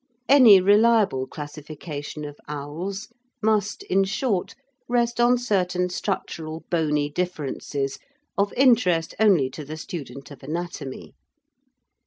Any reliable classification of owls must, in short, rest on certain structural bony differences of interest only to the student of anatomy.